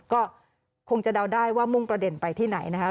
ก็คงจะเดาได้ว่ามุ่งประเด็นไปที่ไหนนะคะ